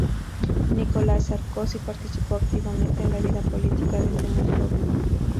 Nicolás Sarkozy participó activamente en la vida política desde muy joven.